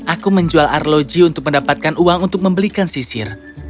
aku menjual arloji untuk mendapatkan uang untuk membelikan sisir